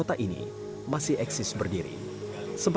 dan di bukit asam